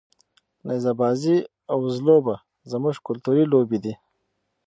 نیزه بازي او وزلوبه زموږ کلتوري لوبې دي.